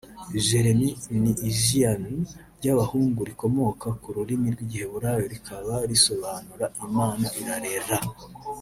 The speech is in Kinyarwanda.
Jérémie/Jérémiah ni izian ry’abahungu rikomoka ku rurimi rw’Igiheburayi rikaba risobanura “Imana irarera”